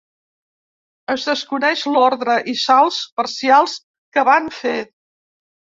Es desconeix l'ordre i salts parcials que van fer.